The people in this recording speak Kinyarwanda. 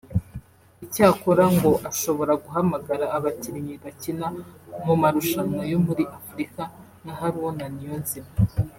Icyakora ngo ashobora guhamagara abakinnyi bakina mu marushanwa yo muri Afurika nka Haruna Niyonzima